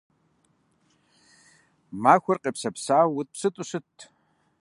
Махуэр къепсэпсауэу уэтӀпсытӀу щытт.